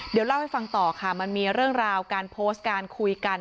เดี๋ยวเล่าให้ฟังต่อค่ะมันมีเรื่องราวการโพสต์การคุยกัน